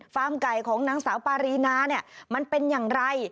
ฟาร์มไก่ของนางสาวปารีนามันเป็นอย่างไร